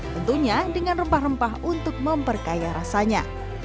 tentunya dengan rempah rempah untuk memperkaya rasanya